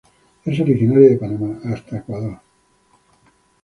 Es originaria de Panamá hasta Ecuador.